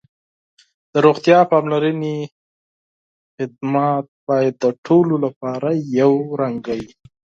د روغتیا پاملرنې خدمات باید د ټولو لپاره مساوي وي.